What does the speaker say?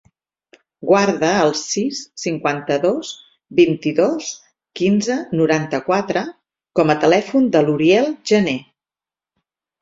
Guarda el sis, cinquanta-dos, vint-i-dos, quinze, noranta-quatre com a telèfon de l'Uriel Janer.